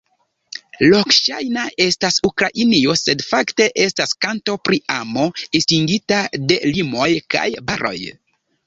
Lokŝajna estas Ukrainio sed fakte estas kanto pri amo estingita de limoj kaj baroj.